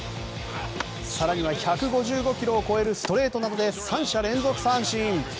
更には１５５キロを超えるストレートなどで３者連続三振。